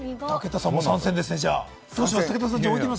武田さんも参戦ですね。